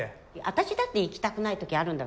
私だって行きたくない時あるんだ。